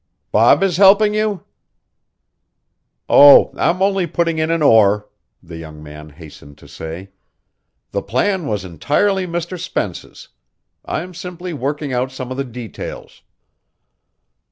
"Bob is helping you?" "Oh, I'm only putting in an oar," the young man hastened to say. "The plan was entirely Mr. Spence's. I am simply working out some of the details."